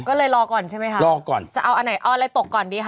ก็เลยรอก่อนใช่ไหมคะรอก่อนจะเอาอันไหนเอาอะไรตกก่อนดีค่ะ